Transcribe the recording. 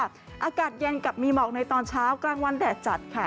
อากาศเย็นกับมีหมอกในตอนเช้ากลางวันแดดจัดค่ะ